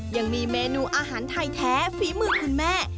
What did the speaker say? ยังมีเมนูอาหารไทยแท้ฝีมือคุณแม่